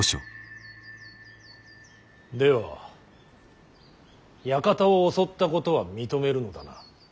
では館を襲ったことは認めるのだな。